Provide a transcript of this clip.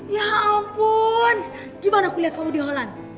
ya ampun gimana kuliah kamu di holland